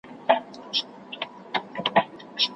آيا زوجين يو پر بل حقوق لري؟